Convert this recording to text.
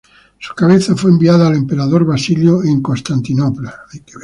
Su cabeza fue enviada al emperador Basilio en Constantinopla.